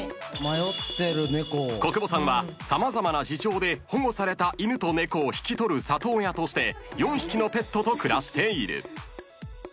［小久保さんは様々な事情で保護された犬と猫を引き取る里親として４匹のペットと暮らしている］